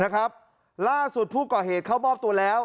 ล่าสุดผู้ก่อเหตุเข้ามอบตัวแล้ว